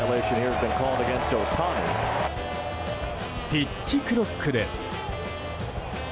ピッチクロックです。